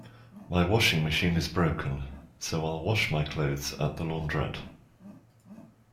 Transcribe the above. My washing machine is broken, so I'll wash my clothes at the launderette